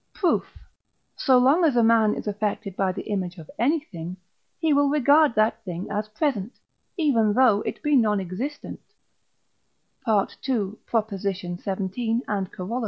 Proof. So long as a man is affected by the image of anything, he will regard that thing as present, even though it be non existent (II. xvii. and Coroll.)